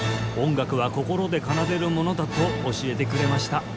音楽は心で奏でるものだと教えてくれました